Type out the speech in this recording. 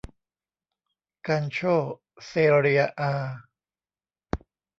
กัลโช่ เซเรีย อา